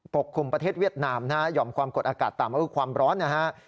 กลุ่มประเทศเวียดนามนะฮะหย่อมความกดอากาศต่ำก็คือความร้อนนะฮะ